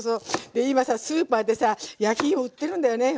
で今さスーパーでさ焼きいも売ってるんだよね